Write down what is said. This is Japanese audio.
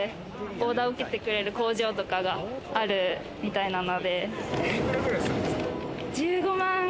オーダーを受けてくれる工場とかがあるみたいなので。